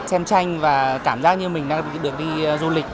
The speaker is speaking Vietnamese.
xem tranh và cảm giác như mình đang được đi du lịch